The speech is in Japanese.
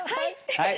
はい。